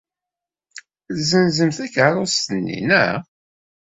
Ad tessenzemt takeṛṛust-nni, naɣ?